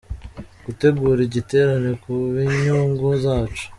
Gutegura igiterane ku bwinyungu zacu